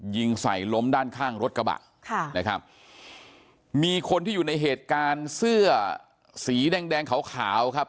ยิงใส่ล้มด้านข้างรถกระบะค่ะนะครับมีคนที่อยู่ในเหตุการณ์เสื้อสีแดงแดงขาวขาวครับ